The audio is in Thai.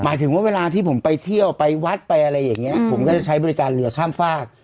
หมายถึงว่าเวลาที่ผมไปเที่ยวไปวัดไปอะไรอย่างนี้ผมก็จะใช้บริการเรือข้ามฝาก